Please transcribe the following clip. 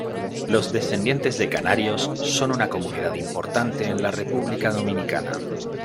Los descendientes de canarios son una comunidad importante en la República Dominicana.